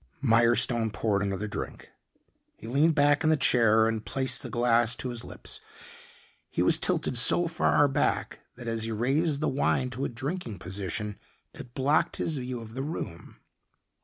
Mirestone poured another drink. He leaned back in the chair and placed the glass to his lips. He was tilted so far back that as he raised the wine to a drinking position, it blocked his view of the room.